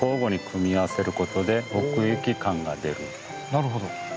なるほど。